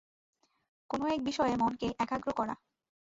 কোন এক বিষয়ে মনকে একাগ্র করা।